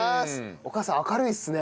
お母さん明るいですね。